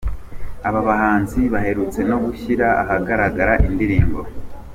Aba bahanzi baherutse no gushyira ahagaragara indirimbo.